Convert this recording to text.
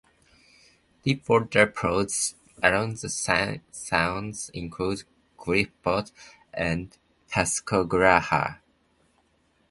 Deepwater ports along the sound include Gulfport and Pascagoula.